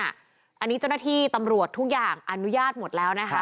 อันนี้เจ้าหน้าที่ตำรวจทุกอย่างอนุญาตหมดแล้วนะคะ